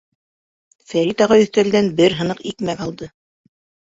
Фәрит ағай өҫтәлдән бер һыныҡ икмәк алды: